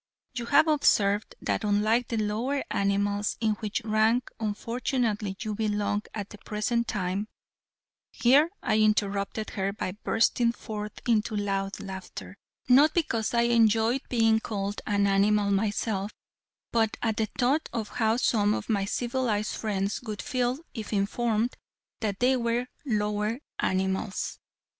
You have observed that unlike the lower animals, in which rank unfortunately you belong at the present time" here I interrupted her by bursting forth into loud laughter, not because I enjoyed being called an animal myself but at the thought of how some of my civilized friends would feel if informed that they were lower animals.